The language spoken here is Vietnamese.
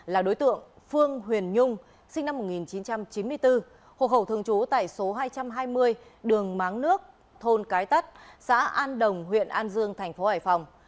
là đối tượng phương huyền nhung sinh năm một nghìn chín trăm chín mươi bốn hộ khẩu thường trú tại số hai trăm hai mươi đường máng nước thôn cái tắt xã an đồng huyện an dương thành phố hải phòng